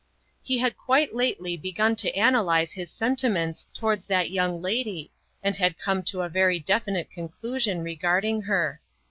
He had quite lately begun to analyze his sentiments towards that young lady and had come to a very definite THE SECRETARY OF STATE 177 conclusion regarding her.